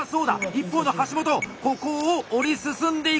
一方の橋本ここを折り進んでいく。